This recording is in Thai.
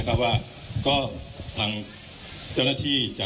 คุณผู้ชมไปฟังผู้ว่ารัฐกาลจังหวัดเชียงรายแถลงตอนนี้ค่ะ